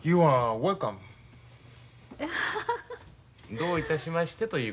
「どういたしまして」ということです。